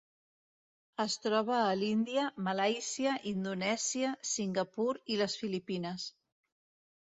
Es troba a l'Índia, Malàisia, Indonèsia, Singapur i les Filipines.